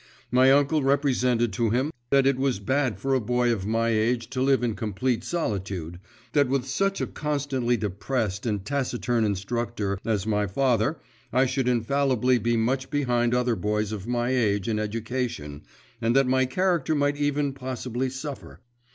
My uncle represented to him that it was bad for a boy of my age to live in complete solitude, that with such a constantly depressed and taciturn instructor as my father I should infallibly be much behind other boys of my age in education, and that my character even might very possibly suffer.